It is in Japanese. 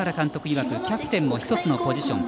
いわくキャプテンも１つのポジション。